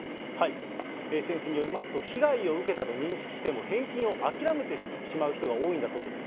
先生によりますと、被害を受けたと認識しても、返金を諦めてしまう人が多いんだそうです。